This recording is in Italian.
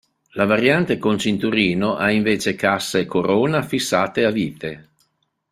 La variante con cinturino ha invece cassa e corona fissate a vite.